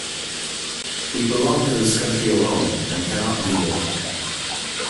We belong to this country alone, and cannot leave it.